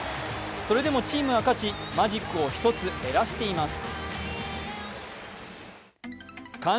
それでもチームは勝ち、マジックを１つ減らしています。